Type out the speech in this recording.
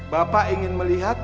bapak ingin melihat